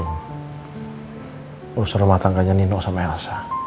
usur usur matangannya nino sama elsa